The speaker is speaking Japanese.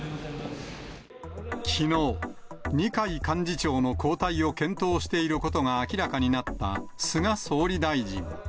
きのう、二階幹事長の交代を検討していることが明らかになった菅総理大臣。